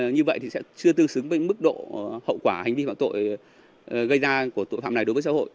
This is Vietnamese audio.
như vậy thì sẽ chưa tương xứng với mức độ hậu quả hành vi phạm tội gây ra của tội phạm này đối với xã hội